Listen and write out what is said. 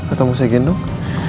atau mau saya gendong